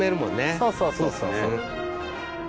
そうそうそうそうそう。